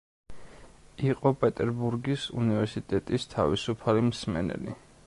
იყო პეტერბურგის უნივერსიტეტის თავისუფალი მსმენელი.